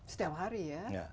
setiap hari ya